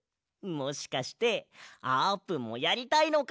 もしかしてあーぷんもやりたいのか？